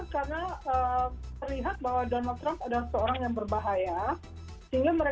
karena terlihat bahwa donald trump adalah seorang yang berbahaya